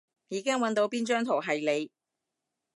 已經搵到邊張圖係你